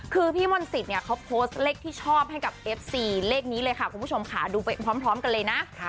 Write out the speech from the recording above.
คือพี่มนต์สิทธิเนี่ยเขาโพสต์เลขที่ชอบให้กับเอฟซีเลขนี้เลยค่ะคุณผู้ชมค่ะดูไปพร้อมกันเลยนะ